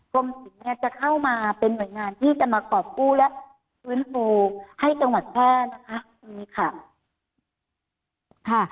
กรมศิลปกรณ์ธนตรีจะเข้ามาเป็นหน่วยงานที่จะมากรอบคู่และฟื้นฟูให้จังหวัดแพร่นะคะ